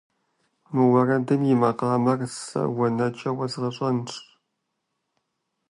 Мы уэрэдым и макъамэр сэ уэ нэкӏэ уэзгъэщӏэнщ.